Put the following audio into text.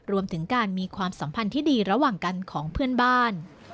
รวมถึงการมีความสัมพันธ์ที่ดีระหว่างกันของเพื่อนบ้าน